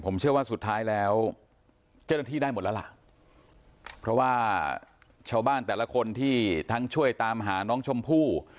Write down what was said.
ผมเชื่อว่าสุดท้ายแล้วเจ้าหน้าที่ได้หมดแล้วล่ะเพราะว่าชาวบ้านแต่ละคนที่ทั้งช่วยตามหาน้องชมพู่